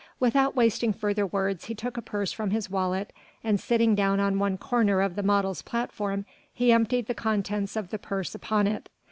Without wasting further words, he took a purse from his wallet, and sitting down on one corner of the model's platform, he emptied the contents of the purse upon it.